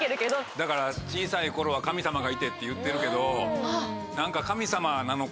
だから「小さい頃は神さまがいて」って言ってるけど。